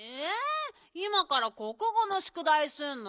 いまからこくごのしゅくだいすんの。